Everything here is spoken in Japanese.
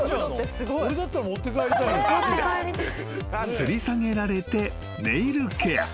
［つり下げられてネイルケア］